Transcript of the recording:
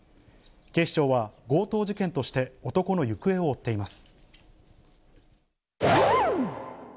警視庁は、強盗事件として男の行方を追っています。